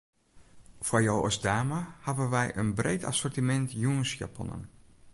Foar jo as dame hawwe wy in breed assortimint jûnsjaponnen.